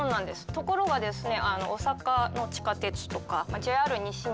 ところがですね